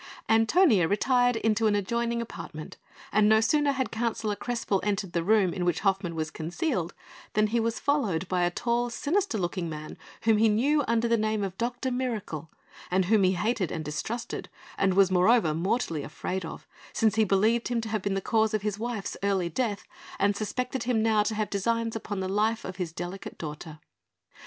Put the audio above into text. Antonia retired into an adjoining apartment; and no sooner had Councillor Crespel entered the room in which Hoffmann was concealed, than he was followed by a tall sinister looking man whom he knew under the name of Dr Mirakel, and whom he hated and distrusted, and was, moreover, mortally afraid of, since he believed him to have been the cause of his wife's early death, and suspected him now to have designs upon the life of his delicate daughter.